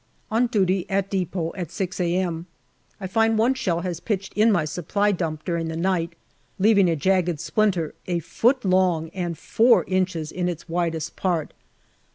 ON duty at depot at 6 a.m. I find one shell has pitched in my Supply dump during the night, leaving a jagged splinter a foot long, and 4 inches in its widest part.